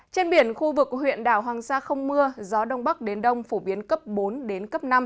trên biển khu vực huyện đào hoàng sa không mưa gió đông bắc đến đông phổ biến cấp bốn năm